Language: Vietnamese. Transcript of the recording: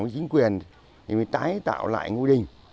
đảng chính quyền mới tái tạo lại ngôi đình